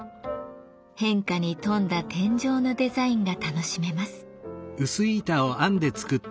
変化に富んだ天井のデザインが楽しめます。